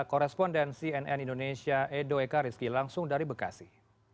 korespondensi nn indonesia edo eka rizki langsung dari bekasi